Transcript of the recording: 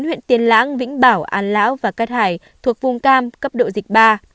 bốn huyện tiền lãng vĩnh bảo an lão và cát hải thuộc vùng cam cấp độ dịch ba